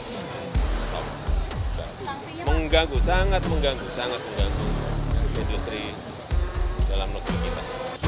mengganggu stop mengganggu sangat mengganggu sangat mengganggu industri dalam negeri kita